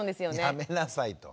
「やめなさい」と。